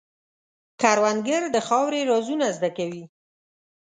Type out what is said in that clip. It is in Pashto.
کروندګر د خاورې رازونه زده کوي